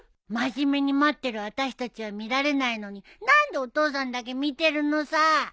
真面目に待ってる私たちは見られないのに何でお父さんだけ見てるのさ。